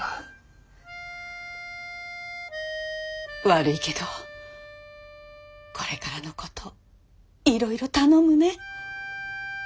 悪いけどこれからのこといろいろ頼むね。